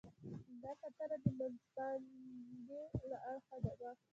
دا کتنه د منځپانګې له اړخه وه.